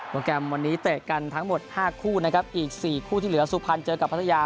แกรมวันนี้เตะกันทั้งหมด๕คู่นะครับอีก๔คู่ที่เหลือสุพรรณเจอกับพัทยา